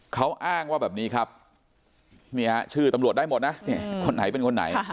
เขาอ้างว่าแบบนี้ครับนี่ฮะชื่อตำรวจได้หมดนะคนไหนเป็นคนไหน